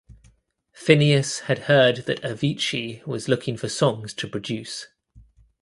Finneas had heard that Avicii was looking for songs to produce.